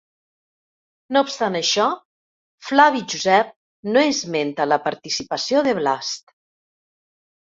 No obstant això Flavi Josep no esmenta la participació de Blast.